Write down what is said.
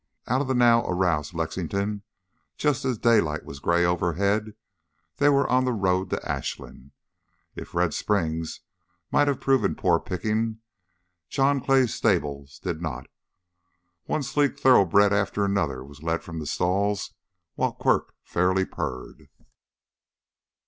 Out of the now aroused Lexington just as daylight was gray overhead, they were on the road to Ashland. If Red Springs might have proved poor picking, John Clay's stables did not. One sleek thoroughbred after another was led from the stalls while Quirk fairly purred.